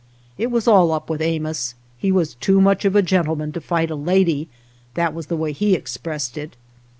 It was all up with Amos ; he was too much of a gentleman to fight a lady — that was the way he expressed it.